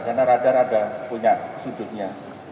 karena radar ada punya sudutnya